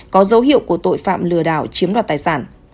có dấu hiệu của tội phạm lừa đảo chiếm đoạt tài sản